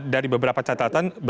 dari beberapa catatan